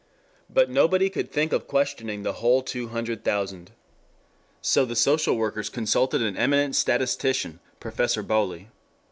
But nobody could think of questioning the whole two hundred thousand. So the social workers consulted an eminent statistician, Professor Bowley.